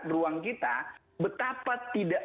ruang kita betapa tidak